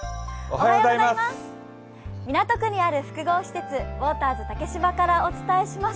港区にある複合施設、ウォーターズ竹芝からお伝えします。